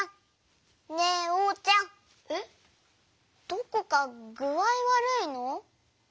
どこかぐあいわるいの？